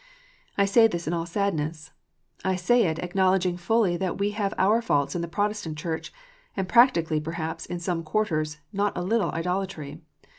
I say this in all sadness. I say it, acknowledging fully that we have our faults in the Protestant Church ; and practically, perhaps, in some quarters, not a little idolatry.